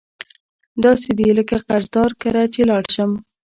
داسي دي لکه قرضدار کره چی لاړ شم